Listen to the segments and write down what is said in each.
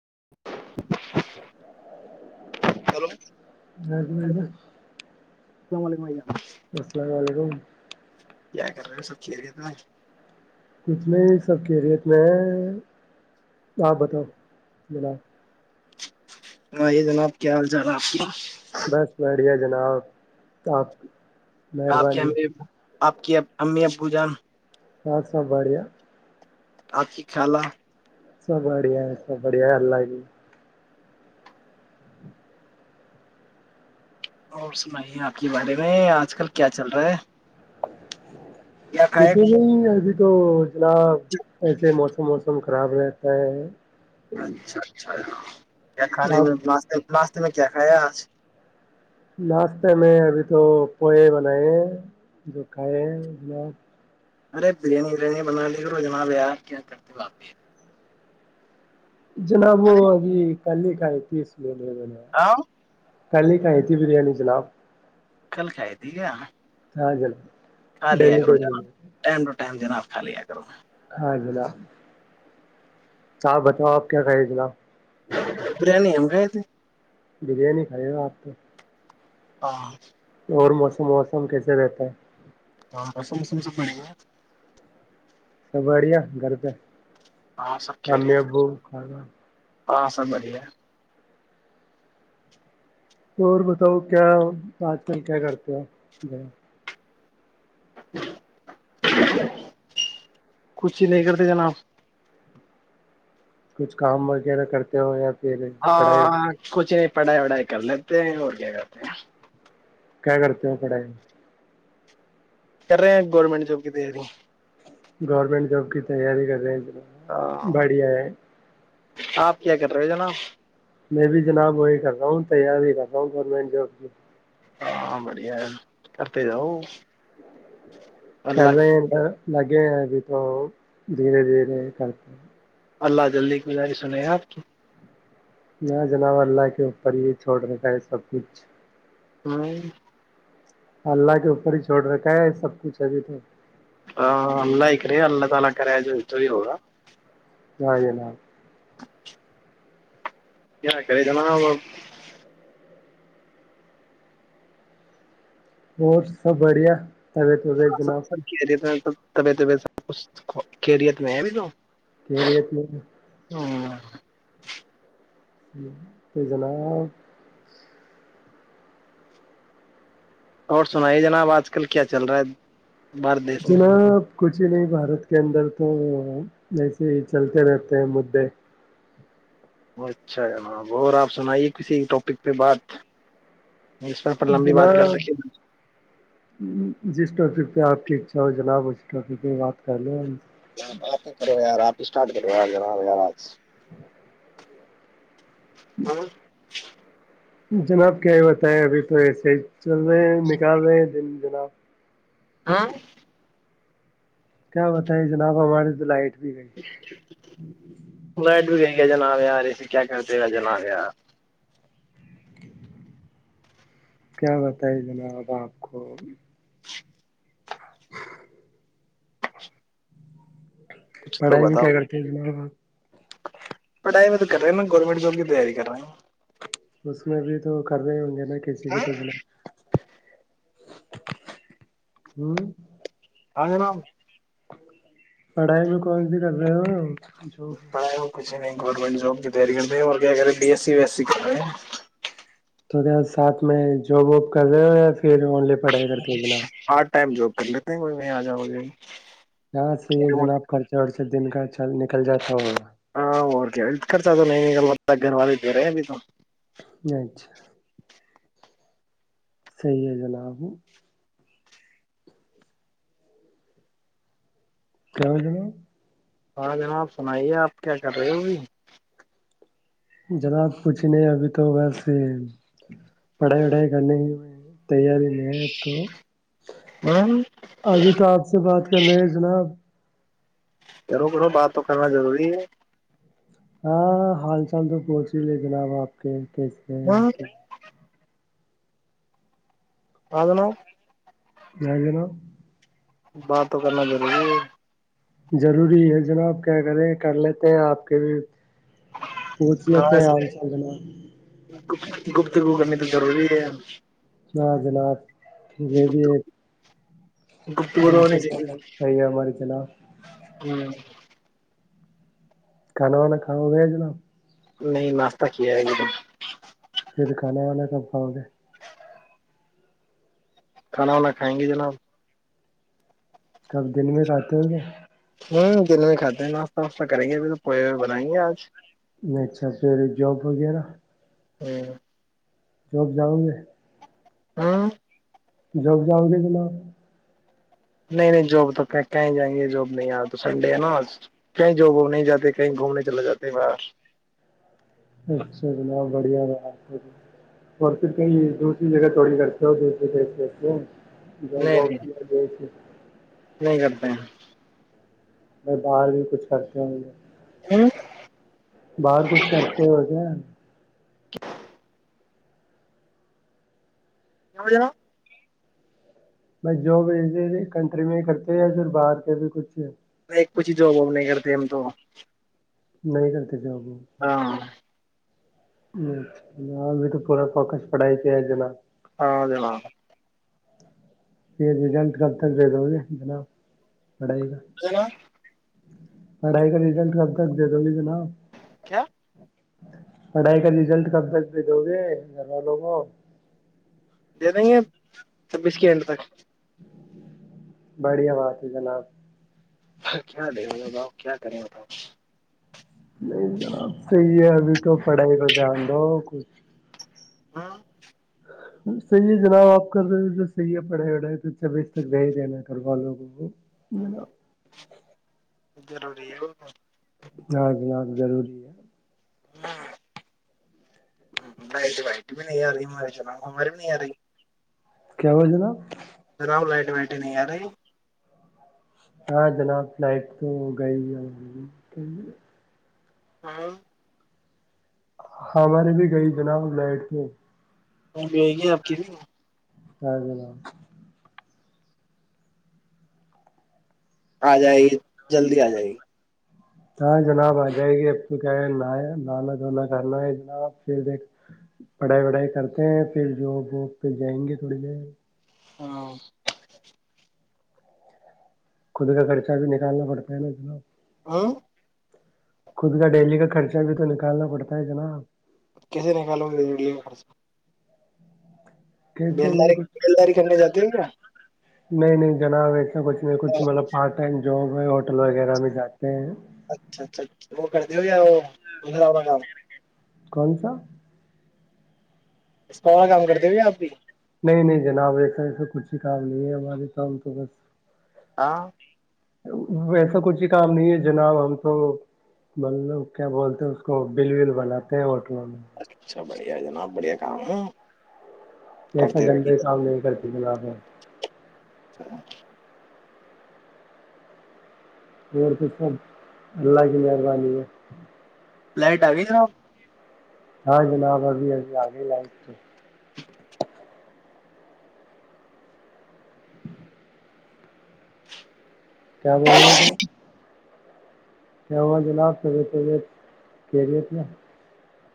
[inaudible] hello ا ج [inaudible] السلام علیکم السلام علیکم [unintelligible] کیا کر رہے ہو سب چز ت بائی کت میں ہی سب کے ریت میں آپ بتاؤ جناب [unintelligible] ہاں یہ جناب کیا حال چال ہے آپ کا بس بڑھیا جناب آپ آپ کے ہم مہربانی نے آپ کی امی ابو جان [unintelligible] سات ساب بڑیا آج کی کلا سب بڑھیا ہے سب بڑھیا ہے اللہ بھی اور سنائیے آپ کے بارے میں آج کل کیا چل رہا ہے کیا کھ ج کھائے [unintelligible] تو جنا ایسے موسم ووسم کا خراب رہتا ہے اچھا اچھا کھے آپ میں ماس ناشتے میں کیا کھایا آج ناشتے میں ابھی تو پوئے بنائے ہیں جو کھائے ہیںنا ارے بریانی وریانی بنا لی کرو جناب یار کیا کرتے ہو واپی یار جنابو آگ [unintelligible] کیھ تیس لین ج ہاں [unintelligible] ک ل کائی تھی بریانی جناب کل کھائی تھی کیا ہاں جل خالی ہے گ رو جان ٹائم جناب خ لیا کروں میں ہ گلاا [unintelligible] صاحپ بتاؤ آپ کیا کہے گلا بریانی ہمم کیں ج [unintelligible] بریانی کھریے گا آپ تو ہاں اور موسم ووسم کیسے رہتا ہے ہاں رسم وسم س پڑے سب بڑیا گھر پہ ہاں سب امی خیریت ابو کانہ ہاں سب بڑھیا تو اور بتاؤ کیا آج کل کیا کرتے ہیں [unintelligible] [unintelligible] کچ ہی نہیں کرتے جناب کچھ کام وغیرہ کرتے ہو یا پھر پڑھائی ہاں وڑھائی کچ نہیں پڑھائی وڑھائی کر لیتے ہیں اور کیا کرتے ہیں کیا کرتے ہو پڑھائی میں کر رہے ہیں گورمنٹ جاب کی تیاری گورنمنٹ جاب کی تیاری کر رہے ہاں ہیں بڑھیا ہے آپ کیا کر رہے ہو جناب میں بھی جناب وہی کر رہا ہوں تیار ہی کر رہا ہوں گورنمٹ جاب کی ہاں بڑیا ہے کرھرتے جاؤ کر اللہ رہے ل گے ابھی تو دھیرے دھیرے کرتے ہیں اللہ جلدی گزاری سن ہیں آپ کی یہ جلا و ل کے اوپر ہی چھوڑ رکھا ہے سب کچھ ہاں اللہ کے اوپر ہی چھوڑ رکھا ہے سب کچھ ابھی تو اللہ تعالی کرے گا جاں جناا کیا کرے جنا اور سب بڑھیا طبیعت وبیعت سب جناب سب کہہ رہے تھا بتبیت سب کچھ کیریت میں ہے بھی تو کہ لیت نہیں ہاں تو جناب اور سناائیے جناب آج کل کیا چل رہا ہے بارت دیس میں جناب کچھ ہی نہیں بھارت کے اندر تو ایسے ہی چلتے رہتے ہیں مدے اچھا جناب اور آپ سنائیے کسی ٹاپک پہ بات اس پر پر لمبی بات کر جناب سکے جس ٹاپک پہ آپ کی اچھا ہو جناب ا ٹوکی کی بات کرہ لو آ آپ کرو یار آپ اسٹارٹ کراراج ہ ہاں [unintelligible] جناب کیا یہ بتائے ابھی تو ایسے ہی چل رہے ہیں نکال رہے ہیں دن [unintelligible] [unintelligible] کیا بتائے ج نپا م ل آٹ [unintelligible] [unintelligible] لائٹ بھی گئی جناب یار ایے کیا کرتے گا جناب یار کیا بتائی جناب آپ کو [inaudible] کچھ تو پڑھائی میں بتاؤ کیا کرتی ہیں تمہارے ب پڑائیم تو کر رہ ہےا گنمنٹ کی تیاری کر رہے ہیں اس میں بھی تو کر رہ ہوں گے کہسی کہ تو ب [unintelligible] [unintelligible] پڑھائی میں کون سی کر رہے ہو جو پڑائی کو کچھ نہیں گورنمنٹ جاب کی تیاری کرتے ہیں اور کیا کر رہے ہیں B S C V S C کر رہے ہیں تو ساتھ میں جاب وااب کر رہے ہو یا پھر آنلیے پڑھائی کرتے [unintelligible] پارٹ ٹائم جاب کر لیتے ہیں کوئی نہیںیں آ جاؤ جے ہاں سی جنا آپ خرچا پتا ک دن کا چل نکل جاتا ہ ہاں اوروکےت خرصاد نگا گھر والے دے رہے ہیں ابھی تو اچھا صحیح ہے جناب [unintelligible] سارا جن آپ سنائیے آپ کیا کر رہے ہو ا بھی جناب کوچھ نہیں ابھی تو ویسے پڑھائی وڑھائی کرنے ہی ہوئے ہیں تیاری میں ہے تو ابھی ابھی تو آپ سے بات کر رہے ہیں جناب رو کروں بات تو کرنا ضروری ہے ہاں حال چال تو پہنچ ہی لے جناب آپ کے جیسے ہاں [unintelligible] جائے ج نا بات تو کرنا ضروری ہے ضروری ہے جناب کیا کریں کر لیتے ہیں آپ کے بھی پوچ کیا آ چالنا گ گفتگو کرنی تو روری ہے ہ جناب یہ بھی ایک گفتگو تو ہونی دنری چاہیے ہے ہماری جناب ہ کانونا کان بھیجل نہیں مس پھر کھانا وانا کا ہ گے کھانا وانا کھائیں گے جناب کب دن میں کاتے ہوں گے ہوں دن میں کھاتے ہیں ناتہ واشہ کریں گے ابھر تو پوئے ہوئے بنائیں گے آج اچھا پھر جاب وغیرہ ہ جک جاؤں گے ہاں جب جاؤ گے جنا نہیں نہیں جاب تو کہیں جائیں گے جاب نہیں آ تو سنڈے ہے نا آ کہیں جاب و نہیں جاتے کہیں گھومنے چلے جاتے باہر اچھا جناب بڑھیا ب آپ اور پھر کہئی دوسری جگہ تھوڑی کرتے ہو دوسرے دیش بیتے ہو ج نہیں بہ نہیں س گئے نہیں کرتے ہیں میں باہر بھی کچھ کرتی ہوںے ہوں کچھ کرتے ہو کیا کیا ج ب جواب ای کنٹری میں کرتے یا پھر باہر کے بھی کچھ ایک پچی جواباب نہیں کرتے ایم تو نہیں گ سجابوں ہاں چ ابھی تو پورا فوکس پڑھائی کیا ہے جناب ہاں ج ن پھر رجنٹ کب تک دے دو گے جناب پڑائی گ جناب پڑھائی کا رزلٹ کب تک دے دو گی جناب کیا پڑھائی کا رزلٹ کب تک بھی دو گے گھر والوں کو د نہیں ہے چھبیس کے گھنٹ تک بڑیاواز ہے جناب کیا دے م باؤ کیا کریں بتاؤ نہیں جناب صحی ہے اب تو پڑھائی کرتے دو کچھ ہاں صحیح ہے جناب آپ کا تو جو صحی ہے پڑھائی وڑھائی تو چھبیس تک بھی ہی دینا گھر والوںوں کو ج جضروری ہے جاں ج ہاں ضروری ہے ہٹ وٹ بھی ن م چماری بھی ن رہ کیا ہوا جناب جناؤ لائٹ وائٹ نہیں یارے ہاں جناب فلائٹ تو ہو گئی ہے ہاں ہماری بھی گئی جناب بیٹ کے وہ بیے گی آپ کی ہ ج آ جائے گی جلدی آ جائے گی ہاں جناب آ جائے گی اب تو کیا ہے ن لانا دھوناا کرنا ہے جناب پھر دیک پڑھائی وڑھائی کرتے ہیں پھر جو وہ پھر جائیں گے تھوڑی دیر ہاں خود کا کرچہ بھی نکالنا پڑتا ہے نا جناب ہاں خود کا ڈیلی کا خرچہ بھی تو نکالنا پڑتا ہے جناب کیسے نکالوں گی ر لے کا خرچہ کیسے نہیں بیلداری کچھ بیلداری کرنے جاتے ہیں کیا نہیں نہیں جناب ایک چچ ما پارٹائم جو ب ہوٹل وغیرہ میں جاتے ہیں اچھا اچھا اچھا وہ کرتے ہو یا وہ کااؤ کون سا اس کا والا کام کرتے بھی آپ بھی نہیں نہیں جناب ایسا ایسا کچھ ہی کام نہیں ہے ہمارے کاام تو بس ہاں ویسا کچھ ہی کام نہیں ہے جناب ہم تو مطلب کیا بولتے ہیں اس کو بل ول بناتے ہیں ہ اچھا بڑھیا جناب بڑھیا کام ہے جسا کرتے گندے رہیے کام نہیں کرتی جناب چچھا اور پھر سب اللہ کی مہربانی ہے فائٹ آ گئی سب ہاں جناب ابھی ابھی آگے لائک تو کیا بول رہے کیا ہوا جناب سب طبیت کیریت میں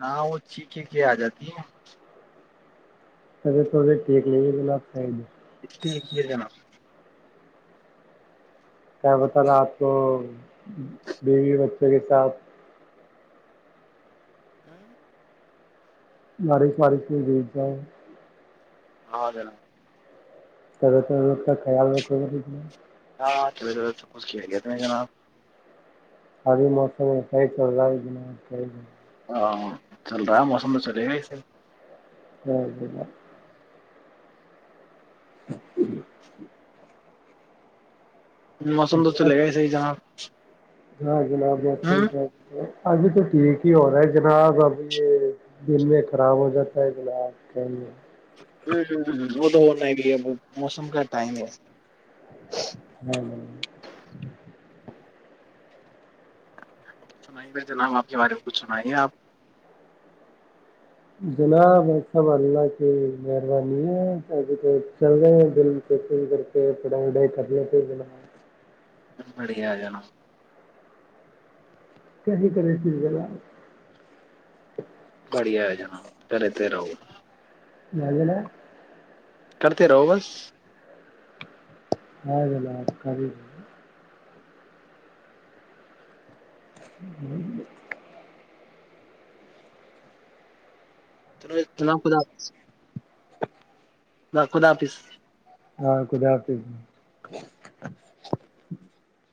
ہاں وہ چھییک کے آ جاتی ہیں اے تھوڑے ٹیک لیے گلا آپ ہے نہیں جت کر جنا کیا بتا رہا آپ کو بیوی بچوں کے ساتھ ہوں لاریش واریش کو گئی جاؤ ہاں جناب سر تو رگ کا خیال ر ہاں چ سب کچھ کیا گیا تو میں جناب ار موسم پ چ رہ رہا ہاں چل رہا ہے موسم تو چلے گاسے جی جا ا موسم تو جناب چلے گا ہی صحیح جناب ہاں جناب ب ہوں کیا ابھی تو ٹھیک ہی ہو رہا ہے جناب ابھی یہ دن میں خراب ہو جاتا ہے جناب کہے ہ وہ تو ہونا بھی ہے موسم کا ٹائم ہے ہ سنائیے میں جناب آپ کے بارے میں کچھ سنائیے آپ جناب یہ سب اللہ کی مہربانی ہے تو چل رہے ہیں دل کول کر کے پڑھائی وڑھائی کر لیتے جنا بڑیا آ جانا کیسی کری ت ب ل بڑھیا ہے جنا پلے ت رہؤ جاللہا کرتے رہو بس ہ لپ ک ہ تول جناام خدا [inaudible] و خدا حافظ ہاں کد آف